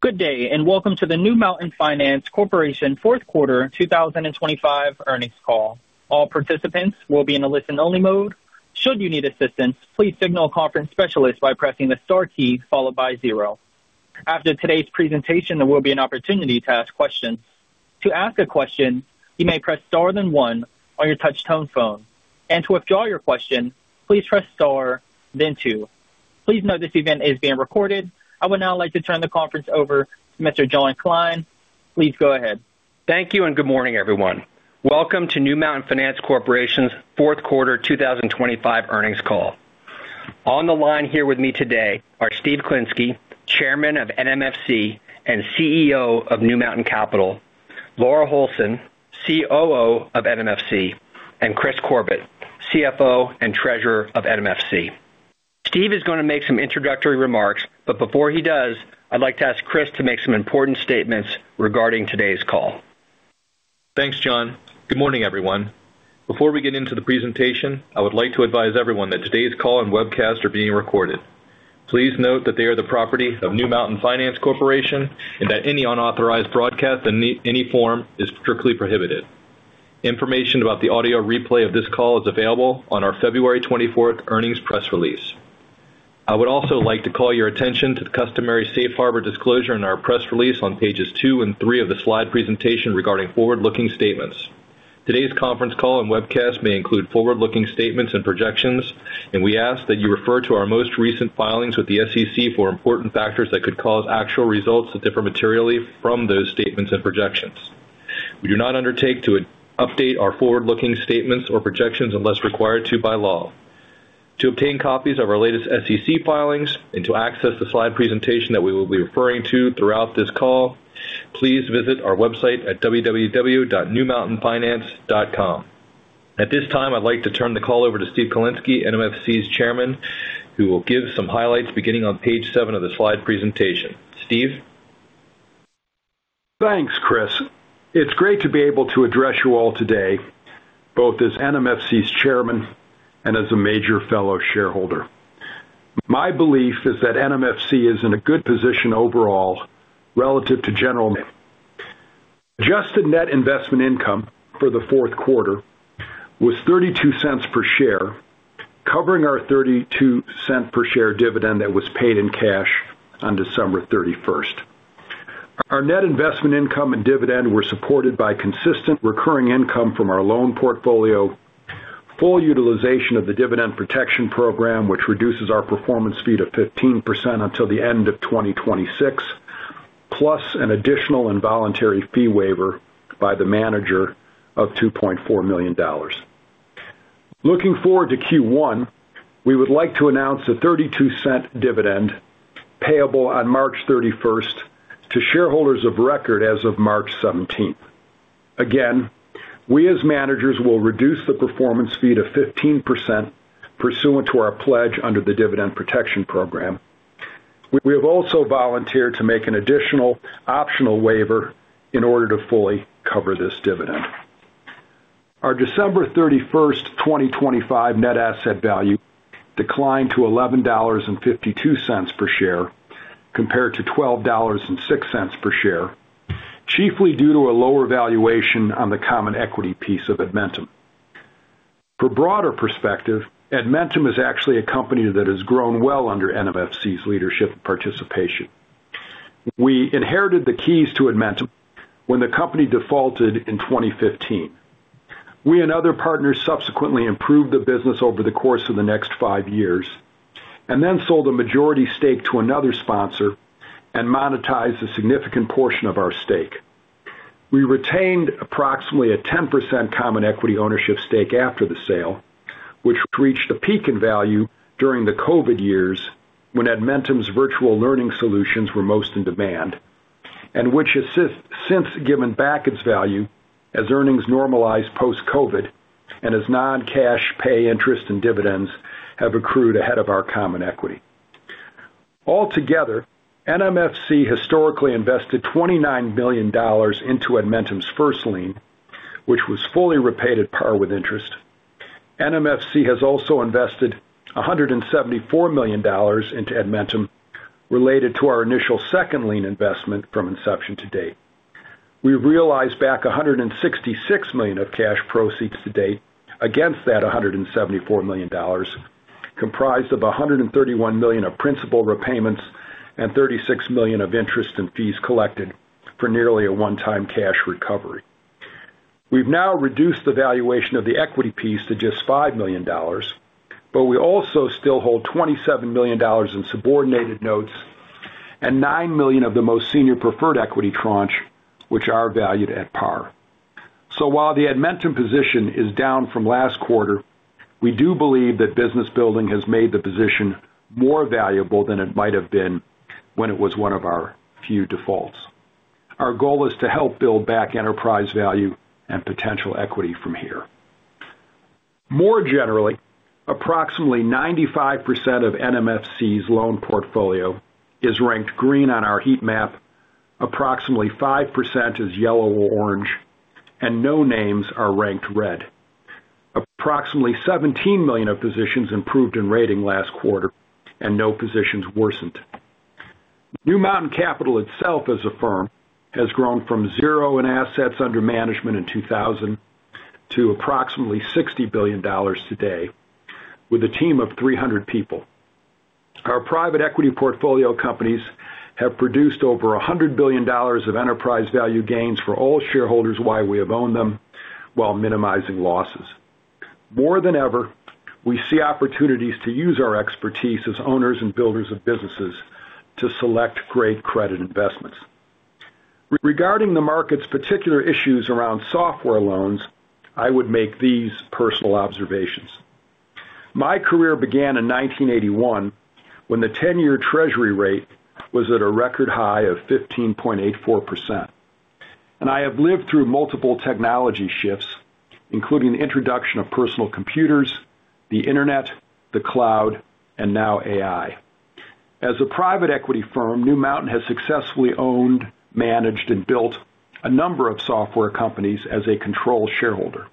Good day, and welcome to the New Mountain Finance Corporation Fourth Quarter 2025 Earnings Call. All participants will be in a listen-only mode. Should you need assistance, please signal a conference specialist by pressing the star key followed by zero. After today's presentation, there will be an opportunity to ask questions. To ask a question, you may press star, then one on your touch tone phone, and to withdraw your question, please press star, then two. Please note this event is being recorded. I would now like to turn the conference over to Mr. John Kline. Please go ahead. Thank you and good morning, everyone. Welcome to New Mountain Finance Corporation's Fourth Quarter 2025 Earnings Call. On the line here with me today are Steven Klinsky, Chairman of NMFC and CEO of New Mountain Capital, Laura Holson, COO of NMFC, and Kris Corbett, CFO and Treasurer of NMFC. Steve is going to make some introductory remarks, but before he does, I'd like to ask Kris to make some important statements regarding today's call. Thanks, John. Good morning, everyone. Before we get into the presentation, I would like to advise everyone that today's call and webcast are being recorded. Please note that they are the property of New Mountain Finance Corporation and that any unauthorized broadcast in any form is strictly prohibited. Information about the audio replay of this call is available on our February 24th earnings press release. I would also like to call your attention to the customary safe harbor disclosure in our press release on pages 2 and 3 of the slide presentation regarding forward-looking statements. Today's conference call and webcast may include forward-looking statements and projections. We ask that you refer to our most recent filings with the SEC for important factors that could cause actual results to differ materially from those statements and projections. We do not undertake to update our forward-looking statements or projections unless required to by law. To obtain copies of our latest SEC filings and to access the slide presentation that we will be referring to throughout this call, please visit our website at www.newmountainfinance.com. At this time, I'd like to turn the call over to Steven Klinsky, NMFC's chairman, who will give some highlights beginning on page 7 of the slide presentation. Steve? Thanks, Kris. It's great to be able to address you all today, both as NMFC's chairman and as a major fellow shareholder. My belief is that NMFC is in a good position overall. Adjusted net investment income for the fourth quarter was $0.32 per share, covering our $0.32 per share dividend that was paid in cash on December 31st. Our net investment income and dividend were supported by consistent recurring income from our loan portfolio, full utilization of the Dividend Protection Program, which reduces our performance fee to 15% until the end of 2026, plus an additional involuntary fee waiver by the manager of $2.4 million. Looking forward to Q1, we would like to announce a $0.32 dividend payable on March 31st to shareholders of record as of March 17th. Again, we, as managers, will reduce the performance fee to 15% pursuant to our pledge under the Dividend Protection Program. We have also volunteered to make an additional optional waiver in order to fully cover this dividend. Our December 31st, 2025 net asset value declined to $11.52 per share, compared to $12.06 per share, chiefly due to a lower valuation on the common equity piece of Edmentum. For broader perspective, Edmentum is actually a company that has grown well under NMFC's leadership and participation. We inherited the keys to Edmentum when the company defaulted in 2015. We and other partners subsequently improved the business over the course of the next 5 years and then sold a majority stake to another sponsor and monetized a significant portion of our stake. We retained approximately a 10% common equity ownership stake after the sale, which reached a peak in value during the COVID years, when Edmentum's virtual learning solutions were most in demand, and which has since given back its value as earnings normalized post-COVID and as non-cash pay interest and dividends have accrued ahead of our common equity. Altogether, NMFC historically invested $29 million into Edmentum's first lien, which was fully repaid at par with interest. NMFC has also invested $174 million into Edmentum, related to our initial second lien investment from inception to date. We realized back $166 million of cash proceeds to date against that $174 million, comprised of $131 million of principal repayments and $36 million of interest and fees collected for nearly a one-time cash recovery. We've now reduced the valuation of the equity piece to just $5 million, we also still hold $27 million in subordinated notes and $9 million of the most senior preferred equity tranche, which are valued at par. While the Edmentum position is down from last quarter, we do believe that business building has made the position more valuable than it might have been when it was one of our few defaults. Our goal is to help build back enterprise value and potential equity from here. More generally, approximately 95% of NMFC's loan portfolio is ranked green on our heat map. Approximately 5% is yellow or orange, no names are ranked red. approximately $17 million of positions improved in rating last quarter, no positions worsened. New Mountain Capital itself, as a firm, has grown from 0 in assets under management in 2000 to approximately $60 billion today, with a team of 300 people. Our private equity portfolio companies have produced over $100 billion of enterprise value gains for all shareholders while we have owned them, while minimizing losses. More than ever, we see opportunities to use our expertise as owners and builders of businesses to select great credit investments. Regarding the market's particular issues around software loans, I would make these personal observations. My career began in 1981, when the 10-year treasury rate was at a record high of 15.84%. I have lived through multiple technology shifts, including the introduction of personal computers, the internet, the cloud, and now AI. As a private equity firm, New Mountain has successfully owned, managed, and built a number of software companies as a control shareholder.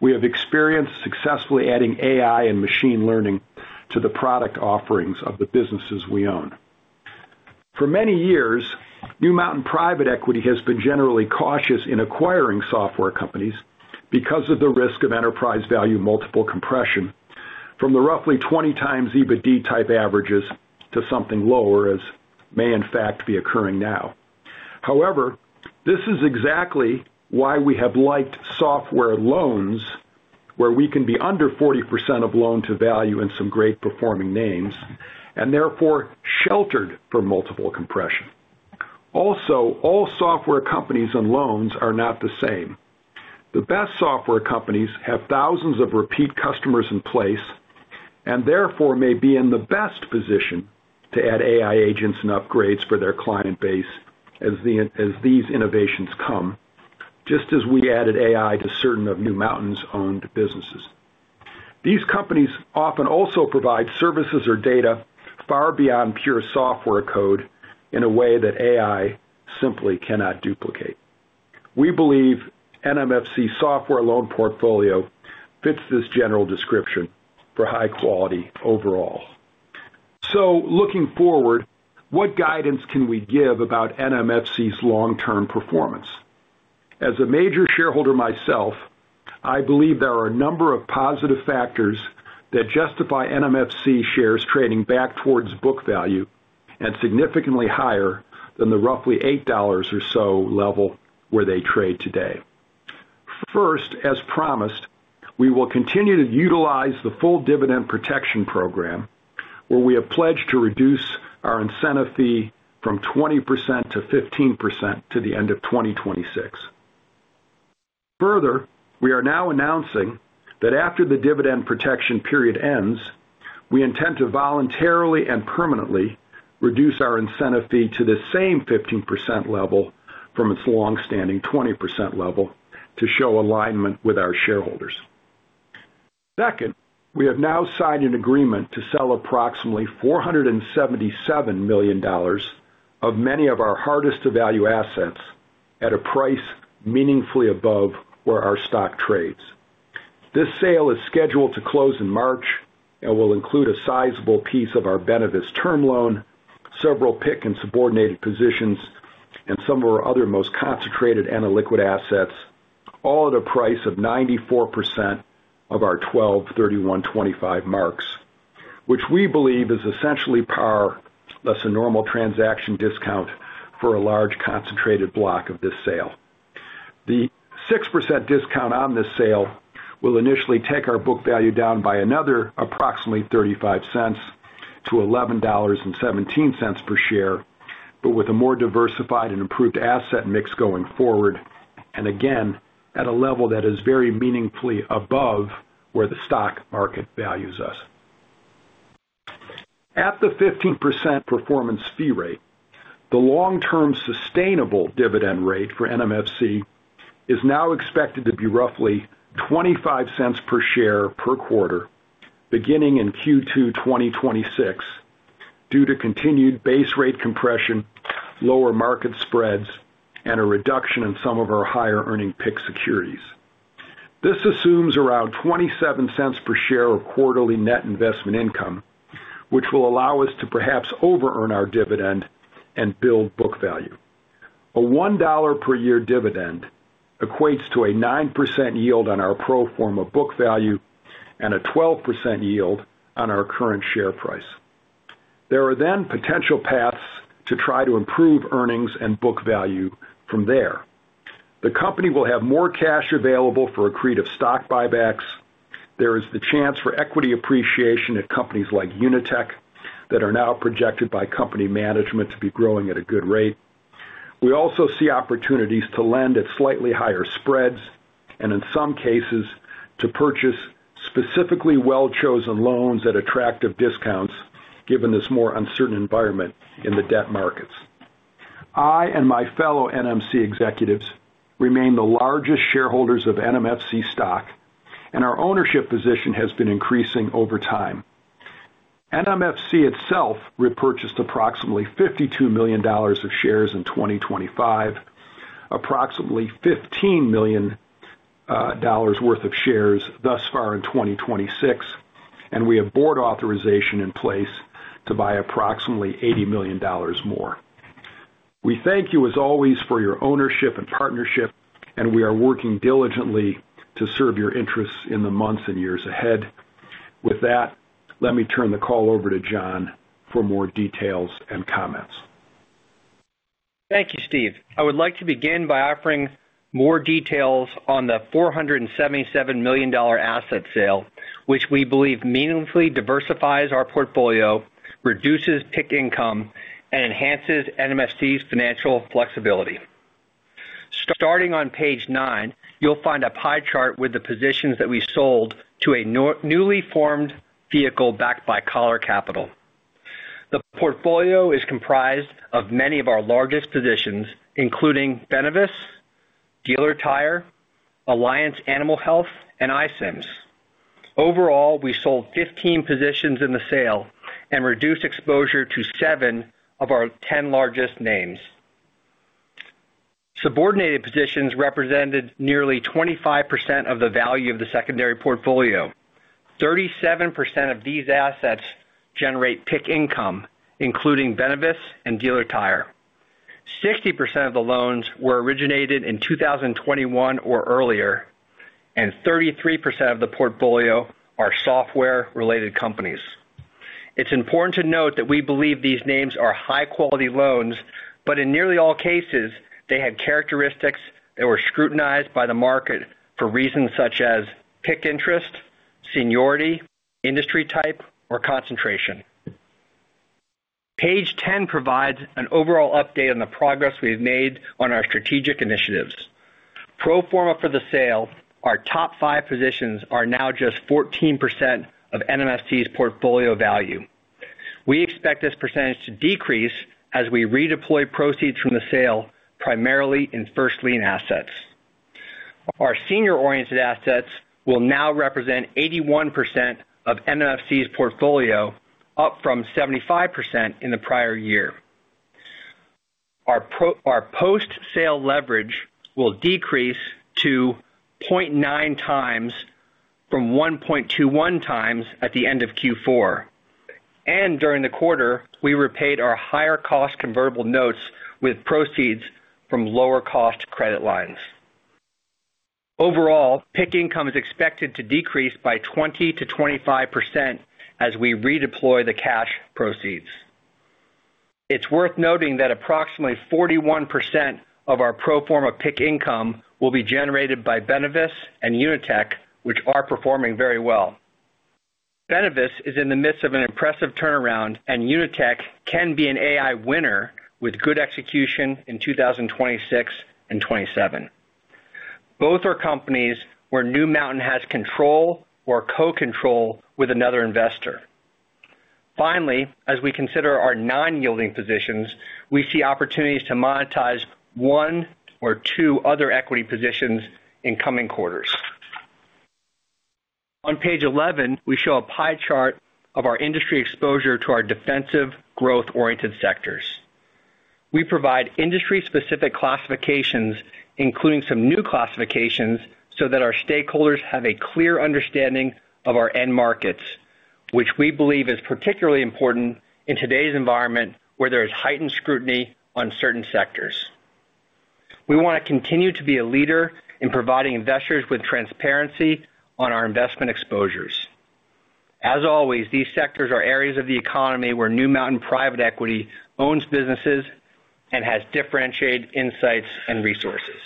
We have experienced successfully adding AI and machine learning to the product offerings of the businesses we own. For many years, New Mountain Private Equity has been generally cautious in acquiring software companies because of the risk of enterprise value multiple compression from the roughly 20x EBITDA type averages to something lower, as may in fact, be occurring now. However, this is exactly why we have liked software loans, where we can be under 40% of loan to value in some great performing names, and therefore sheltered from multiple compression. Also, all software companies and loans are not the same. The best software companies have thousands of repeat customers in place, and therefore may be in the best position to add AI agents and upgrades for their client base as these innovations come, just as we added AI to certain of New Mountain's owned businesses. These companies often also provide services or data far beyond pure software code in a way that AI simply cannot duplicate. We believe NMFC software loan portfolio fits this general description for high quality overall. Looking forward, what guidance can we give about NMFC's long-term performance? As a major shareholder myself, I believe there are a number of positive factors that justify NMFC shares trading back towards book value and significantly higher than the roughly $8 or so level where they trade today. First, as promised, we will continue to utilize the full Dividend Protection Program, where we have pledged to reduce our incentive fee from 20% to 15% to the end of 2026. We are now announcing that after the Dividend Protection Program period ends, we intend to voluntarily and permanently reduce our incentive fee to the same 15% level from its long-standing 20% level to show alignment with our shareholders. We have now signed an agreement to sell approximately $477 million of many of our hardest to value assets at a price meaningfully above where our stock trades. This sale is scheduled to close in March and will include a sizable piece of our benefits term loan, several PIK and subordinated positions, and some of our other most concentrated and illiquid assets, all at a price of 94% of our 12/31/2025 marks, which we believe is essentially par, thus a normal transaction discount for a large, concentrated block of this sale. The 6% discount on this sale will initially take our book value down by another approximately $0.35 to $11.17 per share, but with a more diversified and improved asset mix going forward, and again, at a level that is very meaningfully above where the stock market values us. At the 15% performance fee rate, the long-term sustainable dividend rate for NMFC is now expected to be roughly $0.25 per share per quarter, beginning in Q2 2026, due to continued base rate compression, lower market spreads, and a reduction in some of our higher earning PIK securities. This assumes around $0.27 per share of quarterly net investment income, which will allow us to perhaps over earn our dividend and build book value. A $1 per year dividend equates to a 9% yield on our pro forma book value and a 12% yield on our current share price. There are potential paths to try to improve earnings and book value from there. The company will have more cash available for accretive stock buybacks. There is the chance for equity appreciation at companies like UniTek, that are now projected by company management to be growing at a good rate. We also see opportunities to lend at slightly higher spreads, and in some cases, to purchase specifically well-chosen loans at attractive discounts, given this more uncertain environment in the debt markets. I and my fellow NMC executives remain the largest shareholders of NMFC stock, and our ownership position has been increasing over time. NMFC itself repurchased approximately $52 million of shares in 2025, approximately $15 million worth of shares thus far in 2026, and we have board authorization in place to buy approximately $80 million more. We thank you, as always, for your ownership and partnership, and we are working diligently to serve your interests in the months and years ahead. With that, let me turn the call over to John for more details and comments. Thank you, Steve. I would like to begin by offering more details on the $477 million asset sale, which we believe meaningfully diversifies our portfolio, reduces PIK income, and enhances NMFC's financial flexibility. Starting on page 9, you'll find a pie chart with the positions that we sold to a newly formed vehicle backed by Coller Capital. The portfolio is comprised of many of our largest positions, including Benevis, Dealer Tire, Alliance Animal Health, and iCIMS. We sold 15 positions in the sale and reduced exposure to 7 of our 10 largest names. Subordinated positions represented nearly 25% of the value of the secondary portfolio. 37% of these assets generate PIK income, including Benevis and Dealer Tire. 60% of the loans were originated in 2021 or earlier, 33% of the portfolio are software-related companies. It's important to note that we believe these names are high-quality loans, but in nearly all cases, they had characteristics that were scrutinized by the market for reasons such as PIK interest, seniority, industry type, or concentration. Page 10 provides an overall update on the progress we've made on our strategic initiatives. Pro forma for the sale, our top 5 positions are now just 14% of NMFC's portfolio value. We expect this percentage to decrease as we redeploy proceeds from the sale, primarily in first lien assets. Our senior-oriented assets will now represent 81% of NMFC's portfolio, up from 75% in the prior year. Our post-sale leverage will decrease to 0.9x from 1.21x at the end of Q4. During the quarter, we repaid our higher-cost convertible notes with proceeds from lower-cost credit lines. Overall, PIK income is expected to decrease by 20%-25% as we redeploy the cash proceeds. It's worth noting that approximately 41% of our pro forma PIK income will be generated by Benevis and UniTek, which are performing very well. Benevis is in the midst of an impressive turnaround, and UniTek can be an AI winner with good execution in 2026 and 2027. Both are companies where New Mountain has control or co-control with another investor. As we consider our non-yielding positions, we see opportunities to monetize 1 or 2 other equity positions in coming quarters. On page 11, we show a pie chart of our industry exposure to our defensive, growth-oriented sectors. We provide industry-specific classifications, including some new classifications, so that our stakeholders have a clear understanding of our end markets, which we believe is particularly important in today's environment, where there is heightened scrutiny on certain sectors. We want to continue to be a leader in providing investors with transparency on our investment exposures. As always, these sectors are areas of the economy where New Mountain Private Equity owns businesses and has differentiated insights and resources.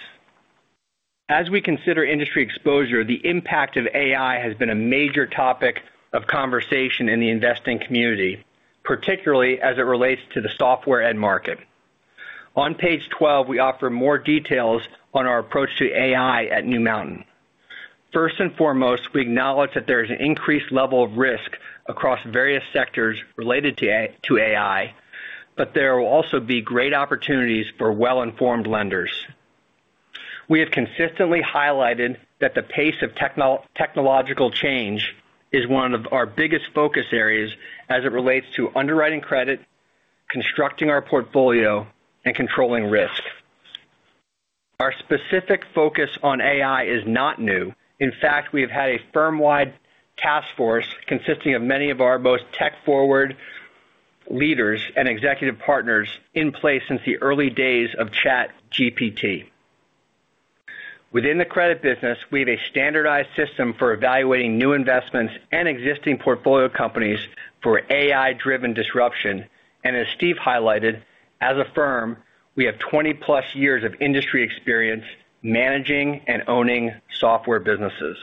As we consider industry exposure, the impact of AI has been a major topic of conversation in the investing community, particularly as it relates to the software end market. On page 12, we offer more details on our approach to AI at New Mountain. First and foremost, we acknowledge that there is an increased level of risk across various sectors related to AI, but there will also be great opportunities for well-informed lenders. We have consistently highlighted that the pace of technological change is one of our biggest focus areas as it relates to underwriting credit, constructing our portfolio, and controlling risk. Our specific focus on AI is not new. In fact, we have had a firm-wide task force consisting of many of our most tech-forward leaders and executive partners in place since the early days of ChatGPT. Within the credit business, we have a standardized system for evaluating new investments and existing portfolio companies for AI-driven disruption. As Steve highlighted, as a firm, we have 20-plus years of industry experience managing and owning software businesses.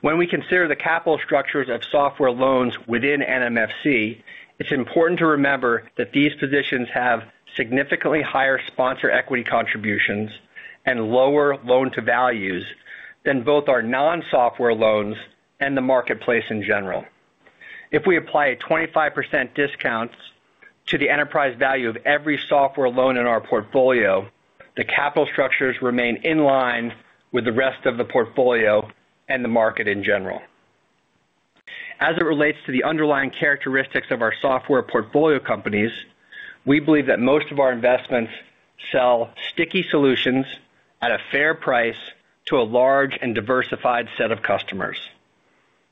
When we consider the capital structures of software loans within NMFC, it's important to remember that these positions have significantly higher sponsor equity contributions and lower loan-to-values than both our non-software loans and the marketplace in general. If we apply a 25% discount to the enterprise value of every software loan in our portfolio, the capital structures remain in line with the rest of the portfolio and the market in general.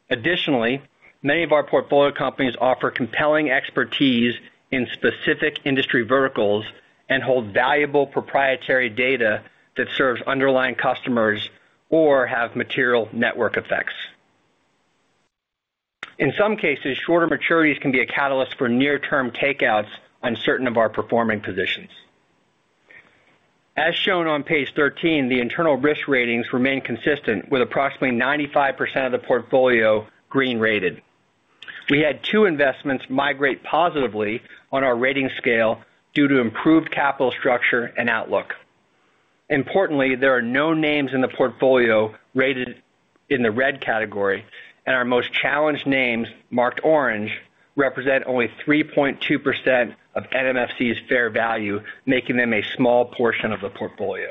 Additionally, many of our portfolio companies offer compelling expertise in specific industry verticals and hold valuable proprietary data that serves underlying customers or have material network effects. In some cases, shorter maturities can be a catalyst for near-term takeouts on certain of our performing positions. As shown on page 13, the internal risk ratings remain consistent, with approximately 95% of the portfolio green rated. We had two investments migrate positively on our rating scale due to improved capital structure and outlook. Importantly, there are no names in the portfolio rated in the red category, and our most challenged names, marked orange, represent only 3.2% of NMFC's fair value, making them a small portion of the portfolio.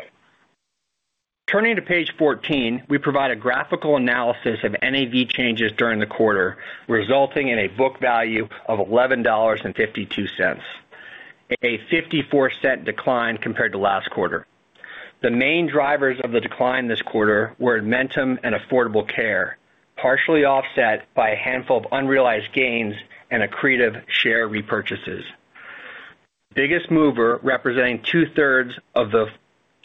Turning to page 14, we provide a graphical analysis of NAV changes during the quarter, resulting in a book value of $11.52, a $0.54 decline compared to last quarter. The main drivers of the decline this quarter were in Edmentum and Affordable Care, partially offset by a handful of unrealized gains and accretive share repurchases. Biggest mover, representing 2/3 of the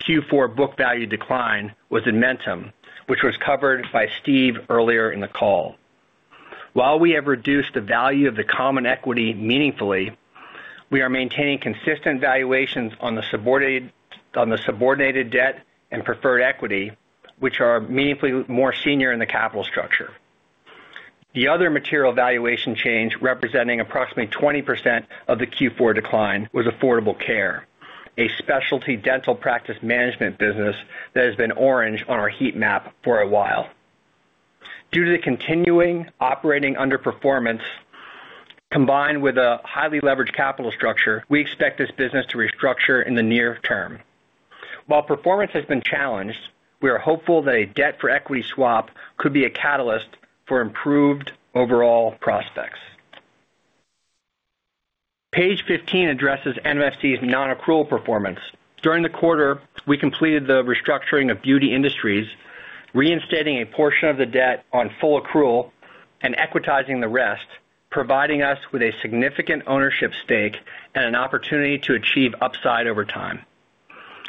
Q4 book value decline, was Edmentum, which was covered by Steve earlier in the call. While we have reduced the value of the common equity meaningfully, we are maintaining consistent valuations on the subordinated debt and preferred equity, which are meaningfully more senior in the capital structure. The other material valuation change, representing approximately 20% of the Q4 decline, was Affordable Care, a specialty dental practice management business that has been orange on our heat map for a while. Due to the continuing operating underperformance, combined with a highly leveraged capital structure, we expect this business to restructure in the near term. While performance has been challenged, we are hopeful that a debt-for-equity swap could be a catalyst for improved overall prospects. Page 15 addresses NMFC's non-accrual performance. During the quarter, we completed the restructuring of Beauty Industry Group, reinstating a portion of the debt on full accrual and equitizing the rest, providing us with a significant ownership stake and an opportunity to achieve upside over time.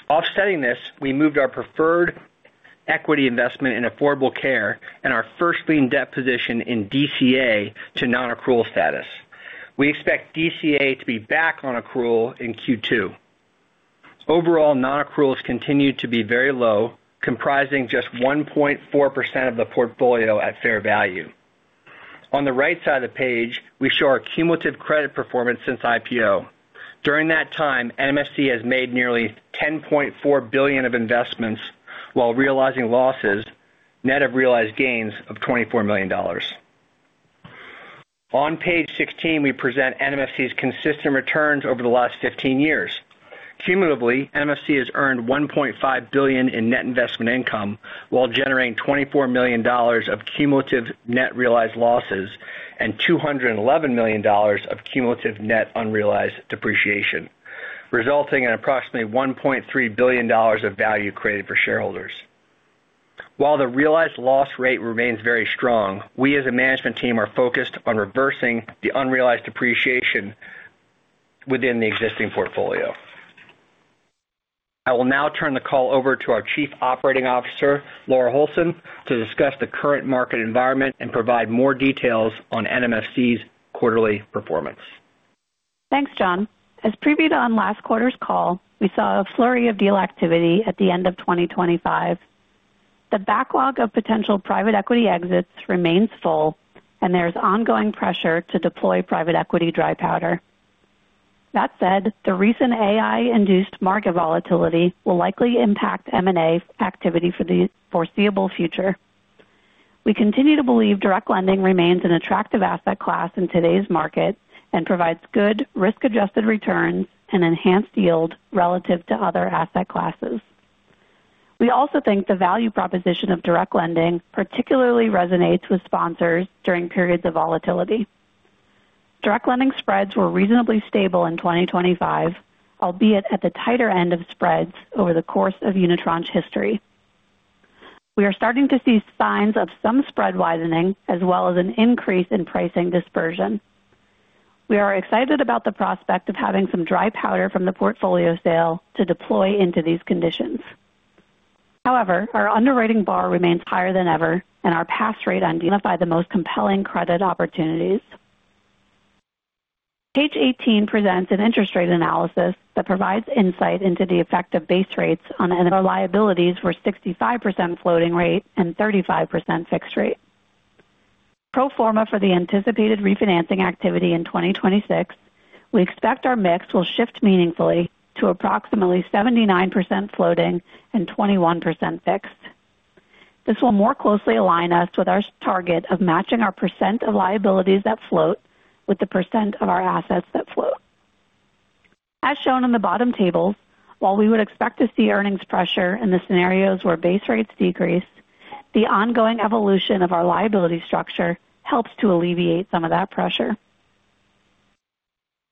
Offsetting this, we moved our preferred equity investment in Affordable Care and our first lien debt position in DCA to non-accrual status. We expect DCA to be back on accrual in Q2. Overall, non-accruals continued to be very low, comprising just 1.4% of the portfolio at fair value. On the right side of the page, we show our cumulative credit performance since IPO. During that time, NMFC has made nearly $10.4 billion of investments while realizing losses, net of realized gains of $24 million. On page 16, we present NMFC's consistent returns over the last 15 years. Cumulatively, NMFC has earned $1.5 billion in net investment income while generating $24 million of cumulative net realized losses and $211 million of cumulative net unrealized depreciation, resulting in approximately $1.3 billion of value created for shareholders. The realized loss rate remains very strong, we as a management team are focused on reversing the unrealized depreciation within the existing portfolio. I will now turn the call over to our Chief Operating Officer, Laura Holson, to discuss the current market environment and provide more details on NMFC's quarterly performance. Thanks, John. As previewed on last quarter's call, we saw a flurry of deal activity at the end of 2025. The backlog of potential private equity exits remains full. There is ongoing pressure to deploy private equity dry powder. That said, the recent AI-induced market volatility will likely impact M&A activity for the foreseeable future. We continue to believe direct lending remains an attractive asset class in today's market and provides good risk-adjusted returns and enhanced yield relative to other asset classes. We also think the value proposition of direct lending particularly resonates with sponsors during periods of volatility. Direct lending spreads were reasonably stable in 2025, albeit at the tighter end of spreads over the course of unitranche's history. We are starting to see signs of some spread widening as well as an increase in pricing dispersion. We are excited about the prospect of having some dry powder from the portfolio sale to deploy into these conditions. Our underwriting bar remains higher than ever, and our pass rate on the most compelling credit opportunities. Page 18 presents an interest rate analysis that provides insight into the effect of base rates on our liabilities for 65% floating rate and 35% fixed rate. Pro forma for the anticipated refinancing activity in 2026, we expect our mix will shift meaningfully to approximately 79% floating and 21% fixed. This will more closely align us with our target of matching our percent of liabilities that float with the percent of our assets that float. As shown on the bottom tables, while we would expect to see earnings pressure in the scenarios where base rates decrease, the ongoing evolution of our liability structure helps to alleviate some of that pressure.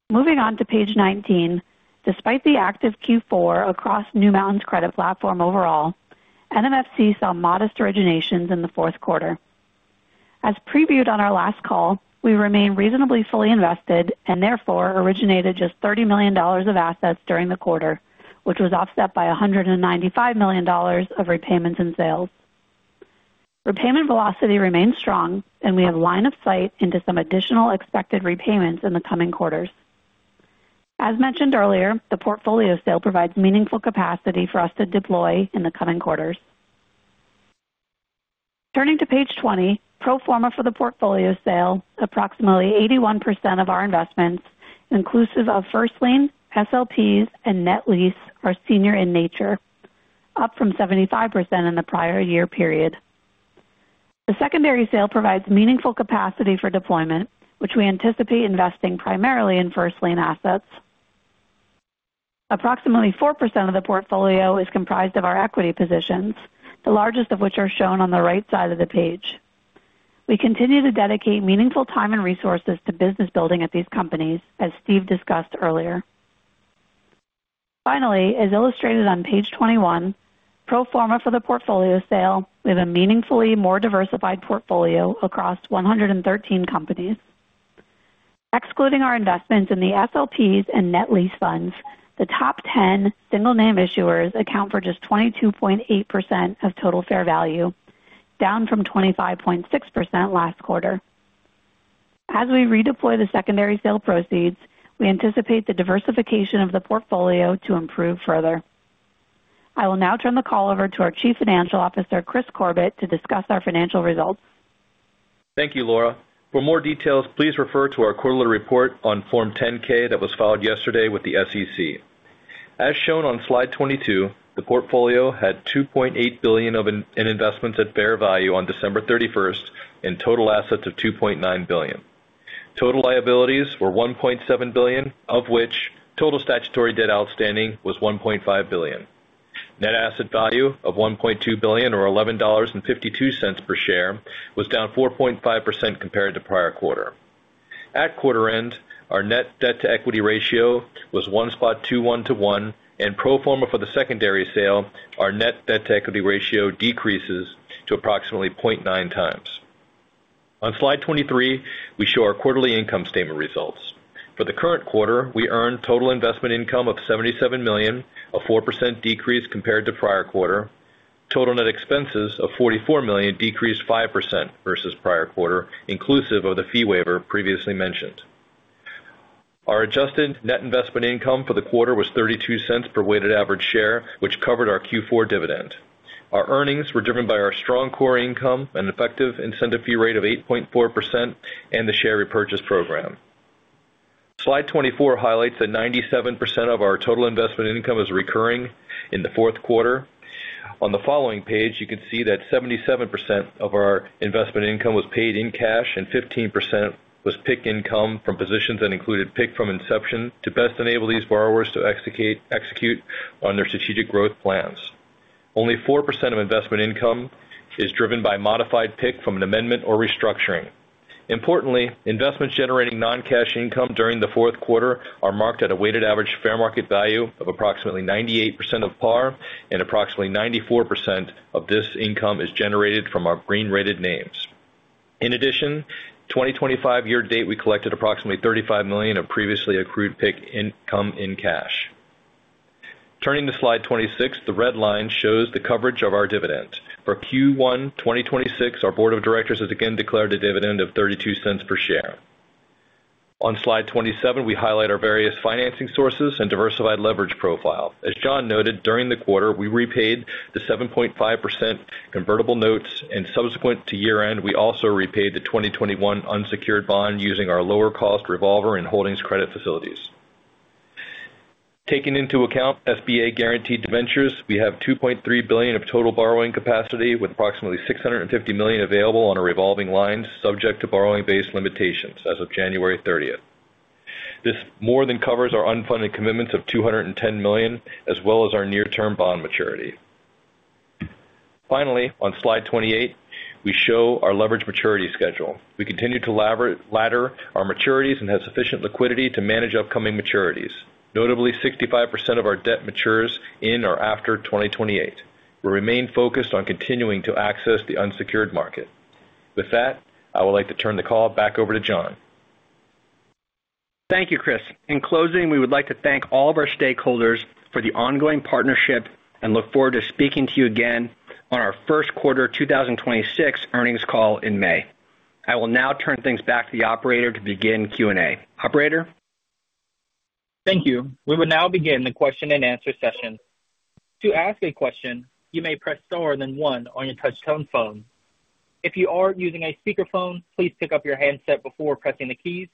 Moving on to page 19. Despite the active Q4 across New Mountain's credit platform overall, NMFC saw modest originations in the fourth quarter. As previewed on our last call, we remain reasonably fully invested and therefore originated just $30 million of assets during the quarter, which was offset by $195 million of repayments and sales. Repayment velocity remains strong, and we have line of sight into some additional expected repayments in the coming quarters. As mentioned earlier, the portfolio sale provides meaningful capacity for us to deploy in the coming quarters. Turning to page 20, pro forma for the portfolio sale, approximately 81% of our investments, inclusive of first lien, SLPs, and net lease, are senior in nature, up from 75% in the prior year period. The secondary sale provides meaningful capacity for deployment, which we anticipate investing primarily in first lien assets. Approximately 4% of the portfolio is comprised of our equity positions, the largest of which are shown on the right side of the page. We continue to dedicate meaningful time and resources to business building at these companies, as Steve discussed earlier. As illustrated on page 21, pro forma for the portfolio sale, we have a meaningfully more diversified portfolio across 113 companies. Excluding our investments in the SLPs and net lease funds, the top 10 single name issuers account for just 22.8% of total fair value, down from 25.6% last quarter. As we redeploy the secondary sale proceeds, we anticipate the diversification of the portfolio to improve further. I will now turn the call over to our Chief Financial Officer, Kris Corbett, to discuss our financial results. Thank you, Laura. For more details, please refer to our quarterly report on Form 10-K that was filed yesterday with the SEC. As shown on slide 22, the portfolio had $2.8 billion of investments at fair value on December 31st, and total assets of $2.9 billion. Total liabilities were $1.7 billion, of which total statutory debt outstanding was $1.5 billion. Net Asset Value of $1.2 billion or $11.52 per share was down 4.5% compared to prior quarter. At quarter end, our net debt-to-equity ratio was 1.21 to 1. Pro forma for the secondary sale, our net debt-to-equity ratio decreases to approximately 0.9 times. On slide 23, we show our quarterly income statement results. For the current quarter, we earned total investment income of $77 million, a 4% decrease compared to prior quarter. Total net expenses of $44 million decreased 5% versus prior quarter, inclusive of the fee waiver previously mentioned. Our adjusted net investment income for the quarter was $0.32 per weighted average share, which covered our Q4 dividend. Our earnings were driven by our strong core income and effective incentive fee rate of 8.4% and the share repurchase program. Slide 24 highlights that 97% of our total investment income is recurring in the fourth quarter. On the following page, you can see that 77% of our investment income was paid in cash and 15% was PIK income from positions that included PIK from inception to best enable these borrowers to execute on their strategic growth plans. Only 4% of investment income is driven by modified PIK from an amendment or restructuring. Importantly, investments generating non-cash income during the fourth quarter are marked at a weighted average fair market value of approximately 98% of par, and approximately 94% of this income is generated from our green-rated names. 2025 year to date, we collected approximately $35 million of previously accrued PIK income in cash. Turning to slide 26, the red line shows the coverage of our dividend. For Q1 2026, our board of directors has again declared a dividend of $0.32 per share. On slide 27, we highlight our various financing sources and diversified leverage profile. As John noted, during the quarter, we repaid the 7.5% convertible notes, and subsequent to year-end, we also repaid the 2021 unsecured bond using our lower cost revolver and holdings credit facilities. Taking into account SBA guaranteed ventures, we have $2.3 billion of total borrowing capacity, with approximately $650 million available on a revolving line, subject to borrowing base limitations as of January 30th. This more than covers our unfunded commitments of $210 million, as well as our near-term bond maturity. Finally, on slide 28, we show our leverage maturity schedule. We continue to ladder our maturities and have sufficient liquidity to manage upcoming maturities. Notably, 65% of our debt matures in or after 2028. We remain focused on continuing to access the unsecured market. With that, I would like to turn the call back over to John. Thank you, Kris. In closing, we would like to thank all of our stakeholders for the ongoing partnership and look forward to speaking to you again on our first quarter 2026 earnings call in May. I will now turn things back to the operator to begin Q&A. Operator? Thank you. We will now begin the question-and-answer session. To ask a question, you may press star then 1 on your touchtone phone. If you are using a speakerphone, please pick up your handset before pressing the keys.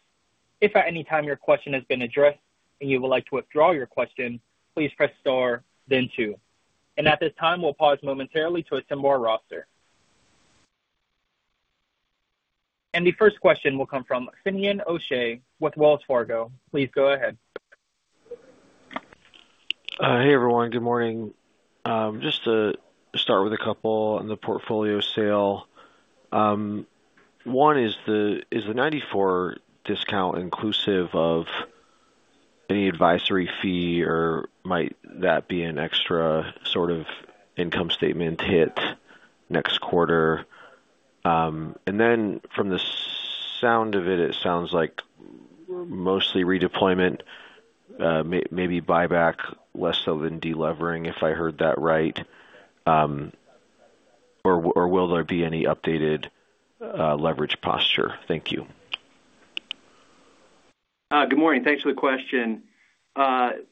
If at any time your question has been addressed and you would like to withdraw your question, please press star, then two. At this time, we'll pause momentarily to assemble our roster. The first question will come from Finian O'Shea with Wells Fargo. Please go ahead. Hey, everyone. Good morning. Just to start with a couple on the portfolio sale. One, is the 94 discount inclusive of any advisory fee, or might that be an extra sort of income statement hit next quarter? From the sound of it sounds like mostly redeployment, maybe buyback, less so than de-levering, if I heard that right. Or will there be any updated leverage posture? Thank you. Good morning. Thanks for the question. The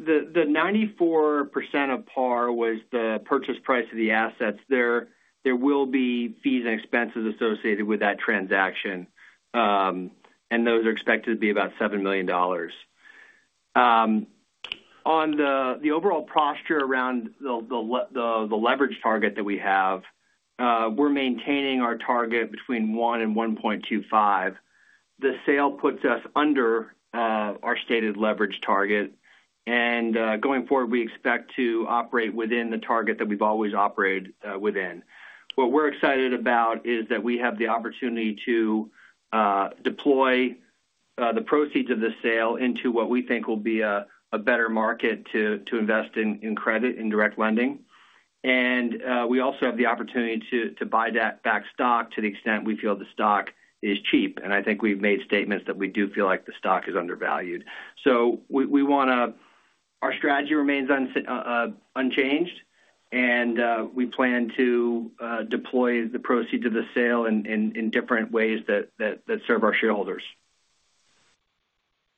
94% of par was the purchase price of the assets. There will be fees and expenses associated with that transaction, and those are expected to be about $7 million. On the overall posture around the leverage target that we have, we're maintaining our target between 1 and 1.25. The sale puts us under our stated leverage target, and going forward, we expect to operate within the target that we've always operated within. What we're excited about is that we have the opportunity to deploy the proceeds of the sale into what we think will be a better market to invest in credit, in direct lending. We also have the opportunity to buy that back stock to the extent we feel the stock is cheap, and I think we've made statements that we do feel like the stock is undervalued. We wanna our strategy remains unchanged, and we plan to deploy the proceeds of the sale in different ways that serve our shareholders.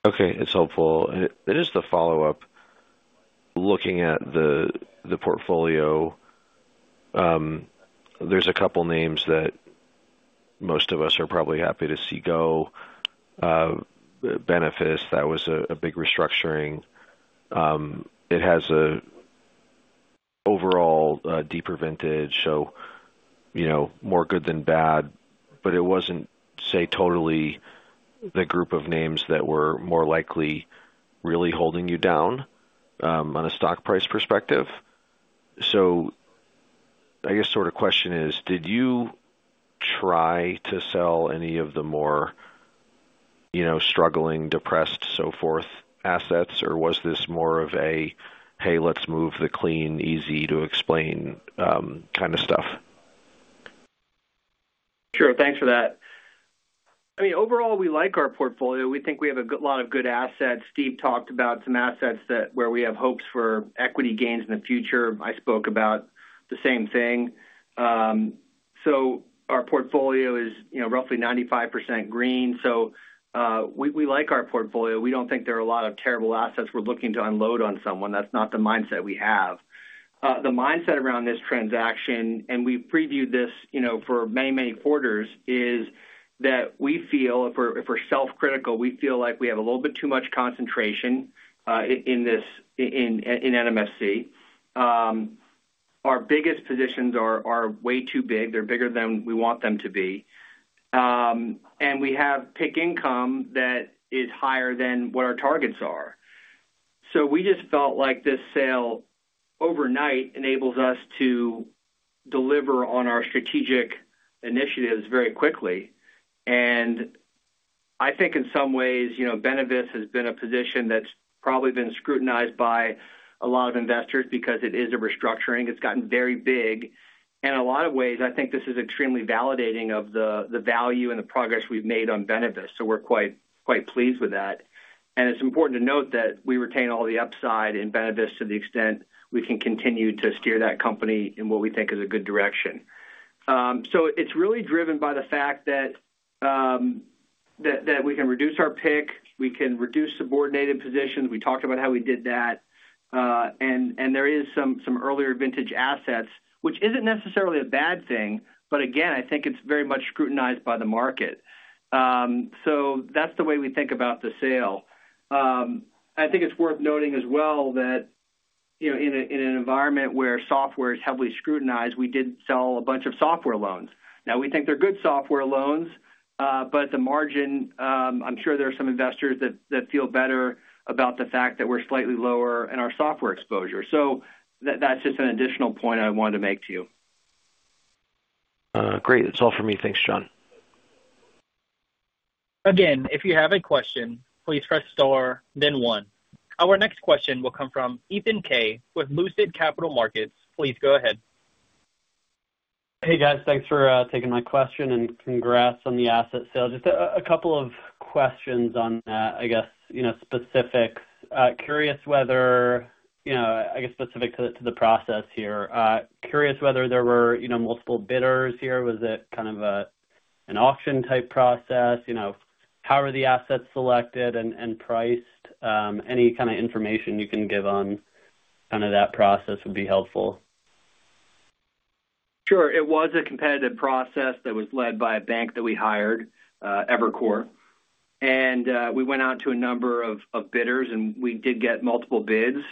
Okay, it's helpful. Just a follow-up, looking at the portfolio, there's a couple names that most of us are probably happy to see go. Benevis, that was a big restructuring. It has a overall deeper vintage, so, you know, more good than bad, but it wasn't, say, totally the group of names that were more likely really holding you down on a stock price perspective. I guess sort of question is: Did you try to sell any of the more, you know, struggling, depressed, so forth, assets, or was this more of a, "Hey, let's move the clean, easy to explain," kind of stuff? Sure. Thanks for that. I mean, overall, we like our portfolio. We think we have a lot of good assets. Steve talked about some assets that, where we have hopes for equity gains in the future. I spoke about the same thing. our portfolio is, you know, roughly 95% green, so, we like our portfolio. We don't think there are a lot of terrible assets we're looking to unload on someone. That's not the mindset we have. The mindset around this transaction, and we previewed this, you know, for many, many quarters, is that we feel, if we're self-critical, we feel like we have a little bit too much concentration, in this, in NMFC. our biggest positions are way too big. They're bigger than we want them to be. We have PIK income that is higher than what our targets are. We just felt like this sale, overnight, enables us to deliver on our strategic initiatives very quickly. I think in some ways, you know, Benevis has been a position that's probably been scrutinized by a lot of investors because it is a restructuring. It's gotten very big. In a lot of ways, I think this is extremely validating of the value and the progress we've made on Benevis, so we're quite pleased with that. It's important to note that we retain all the upside in Benevis to the extent we can continue to steer that company in what we think is a good direction. It's really driven by the fact that we can reduce our PIK, we can reduce subordinated positions. We talked about how we did that. There is some earlier vintage assets, which isn't necessarily a bad thing, but again, I think it's very much scrutinized by the market. That's the way we think about the sale. I think it's worth noting as well that, you know, in an environment where software is heavily scrutinized, we did sell a bunch of software loans. Now, we think they're good software loans, but the margin, I'm sure there are some investors that feel better about the fact that we're slightly lower in our software exposure. That's just an additional point I wanted to make to you. great. That's all for me. Thanks, John. Again, if you have a question, please press star, then one. Our next question will come from Ethan Kaye with Lucid Capital Markets. Please go ahead. Hey, guys, thanks for taking my question, and congrats on the asset sale. Just a couple of questions on that, I guess, you know, specifics. Curious whether, you know, I guess specific to the process here. Curious whether there were, you know, multiple bidders here. Was it kind of an auction-type process, you know, how are the assets selected and priced? Any kind of information you can give on kind of that process would be helpful. Sure. It was a competitive process that was led by a bank that we hired, Evercore. We went out to a number of bidders, and we did get multiple bids.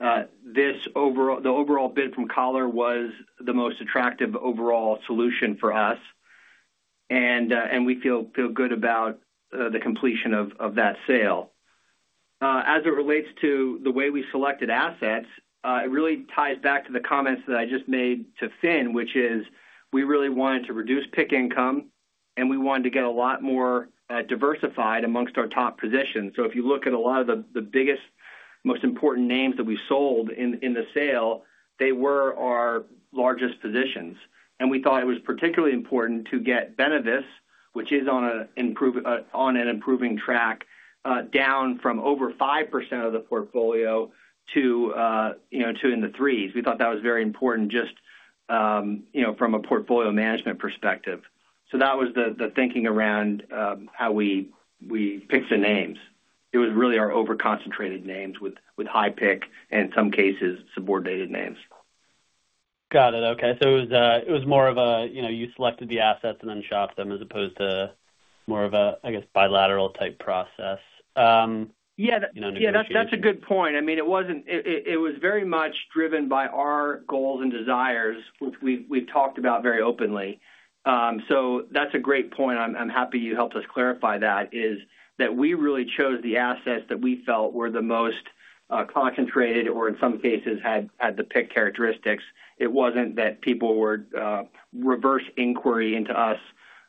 The overall bid from Coller Capital was the most attractive overall solution for us. We feel good about the completion of that sale. As it relates to the way we selected assets, it really ties back to the comments that I just made to Finn, which is we really wanted to reduce PIK income, and we wanted to get a lot more diversified amongst our top positions. If you look at a lot of the biggest, most important names that we sold in the sale, they were our largest positions. We thought it was particularly important to get Benevis, which is on an improving track, down from over 5% of the portfolio to, you know, 2%-3%. We thought that was very important, just, you know, from a portfolio management perspective. That was the thinking around how we picked the names. It was really our over-concentrated names with high PIK, and in some cases, subordinated names. Got it. Okay. It was more of a, you know, you selected the assets and then shopped them, as opposed to more of a, I guess, bilateral-type process. Yeah. You know. Yeah, that's a good point. I mean, it was very much driven by our goals and desires, which we've talked about very openly. That's a great point. I'm happy you helped us clarify that, is that we really chose the assets that we felt were the most concentrated or in some cases, had the PIK characteristics. It wasn't that people were reverse inquiry into us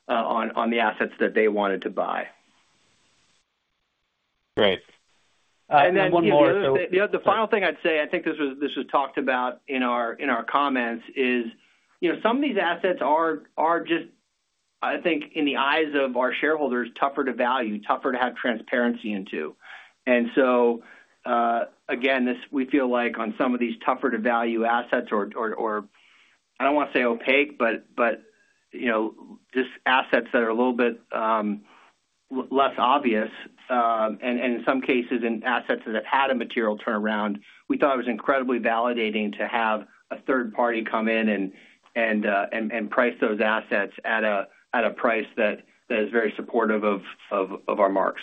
on the assets that they wanted to buy. Great. Then one more. The final thing I'd say, I think this was talked about in our, in our comments, is, you know, some of these assets are just, I think, in the eyes of our shareholders, tougher to value, tougher to have transparency into. Again, this, we feel like on some of these tougher to value assets or I don't want to say opaque, but, you know, just assets that are a little bit less obvious, and in some cases, in assets that had a material turnaround, we thought it was incredibly validating to have a third party come in and price those assets at a price that is very supportive of our marks.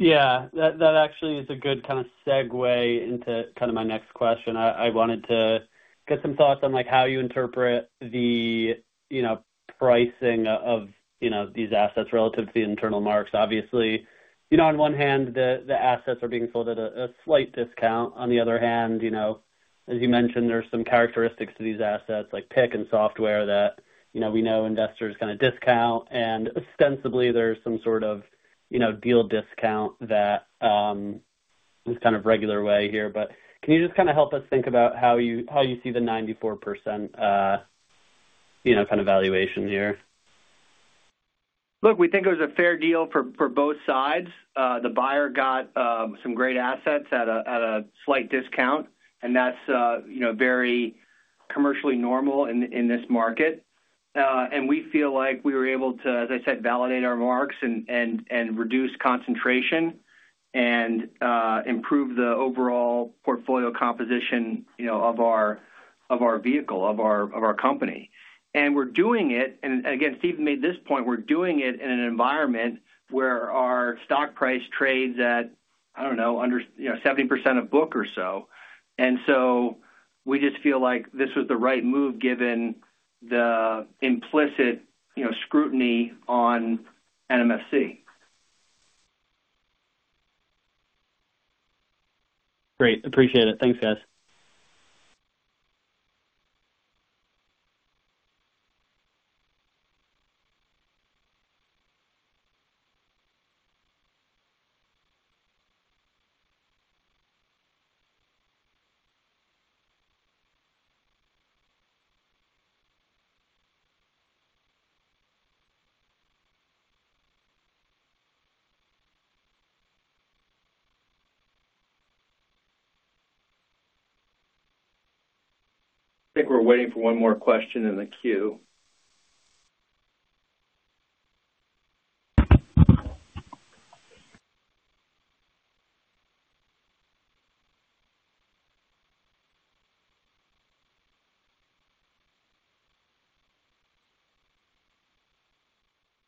Yeah, that actually is a good kind of segue into kind of my next question. I wanted to get some thoughts on, like, how you interpret the, you know, pricing of, you know, these assets relative to the internal marks. Obviously, you know, on one hand, the assets are being sold at a slight discount. On the other hand, you know, as you mentioned, there are some characteristics to these assets, like PIK and software, that, you know, we know investors kind of discount. Ostensibly, there's some sort of, you know, deal discount that is kind of regular way here. Can you just kind of help us think about how you see the 94%, you know, kind of valuation here? Look, we think it was a fair deal for both sides. The buyer got some great assets at a slight discount, and that's, you know, very commercially normal in this market. And we feel like we were able to, as I said, validate our marks and reduce concentration and improve the overall portfolio composition, you know, of our vehicle, of our company. We're doing it, and again, Steve made this point, we're doing it in an environment where our stock price trades at, I don't know, under, you know, 70% of book or so. We just feel like this was the right move, given the implicit, you know, scrutiny on NMFC. Great. Appreciate it. Thanks, guys. I think we're waiting for one more question in the queue.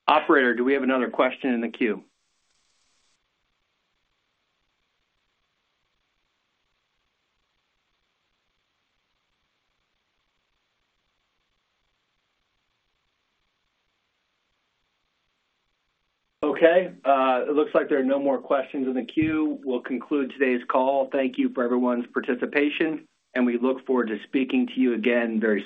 Operator, do we have another question in the queue? Okay, it looks like there are no more questions in the queue. We'll conclude today's call. Thank you for everyone's participation, and we look forward to speaking to you again very soon.